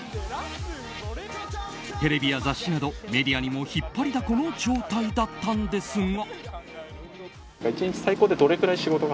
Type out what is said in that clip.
テレビや雑誌などメディアにも引っ張りだこの状態だったんですが。